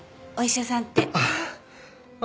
お医者さんって。